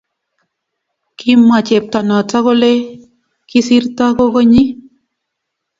kimwa cheptonoto kole kisirto gogoenyi